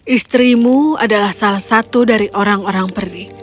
istrimu adalah salah satu dari orang orang pergi